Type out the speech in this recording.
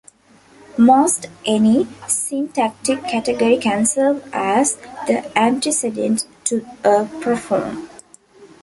Most any syntactic category can serve as the antecedent to a proform.